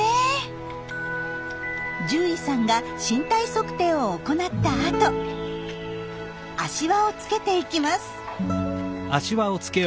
獣医さんが身体測定を行った後足環をつけていきます。